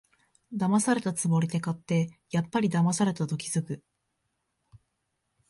だまされたつもりで買って、やっぱりだまされたと気づく